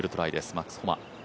マックス・ホマ。